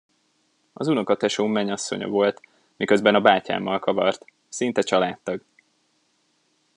Az unokatesóm menyasszonya volt, miközben a bátyámmal kavart, szinte családtag.